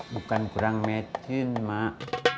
bukan kurang mecin mak